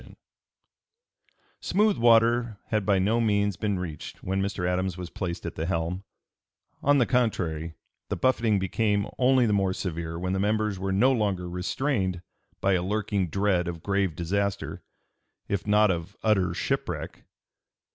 ] Smooth water had by no means been reached when Mr. Adams was placed at the helm; on the contrary, the buffeting became only the more severe when the members were no longer restrained by a lurking dread of grave disaster if not of utter shipwreck.